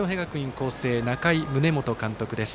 光星仲井宗基監督です。